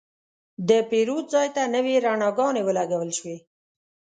د پیرود ځای ته نوې رڼاګانې ولګول شوې.